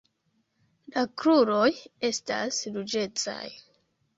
La kruroj estas ruĝecaj.